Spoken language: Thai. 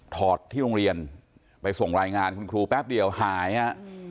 อดที่โรงเรียนไปส่งรายงานคุณครูแป๊บเดียวหายฮะ